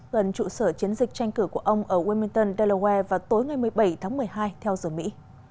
gần trụ sở chiến dịch tranh cử của ông ở wimiton delaware vào tối ngày một mươi bảy tháng một mươi hai theo giờ mỹ